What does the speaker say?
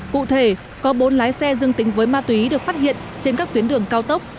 cụ thể có bốn lái xe dương tính với ma túy được phát hiện trên các tuyến đường cao tốc